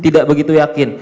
tidak begitu yakin